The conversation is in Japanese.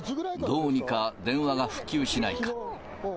どうにか電話が復旧しないか。